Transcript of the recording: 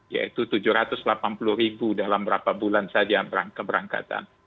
yaitu tujuh ratus delapan puluh ribu dalam berapa bulan saja keberangkatan